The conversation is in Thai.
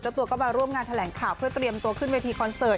ตัวก็มาร่วมงานแถลงข่าวเพื่อเตรียมตัวขึ้นเวทีคอนเสิร์ต